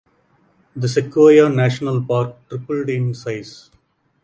The Sequoia National Park tripled in size.